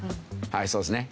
はいそうですね。